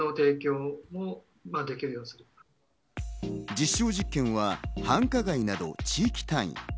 実証実験は繁華街などの地域単位。